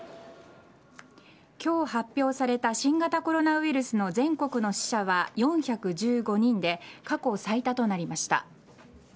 今日発表された新型コロナウイルスの全国の死者は４１５人で過去最多となりました。